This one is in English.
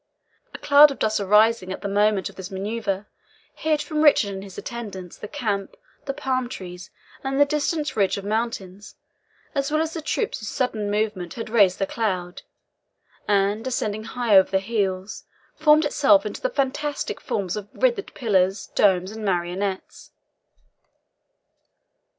A cloud of dust arising at the moment of this manoeuvre hid from Richard and his attendants the camp, the palm trees, and the distant ridge of mountains, as well as the troops whose sudden movement had raised the cloud, and, ascending high over their heads, formed itself into the fantastic forms of writhed pillars, domes, and minarets.